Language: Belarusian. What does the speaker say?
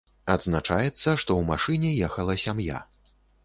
Адзначаецца, што ў машыне ехала сям'я.